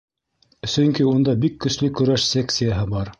Сөнки унда бик көслө көрәш секцияһы бар.